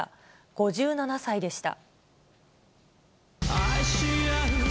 ５７歳でした。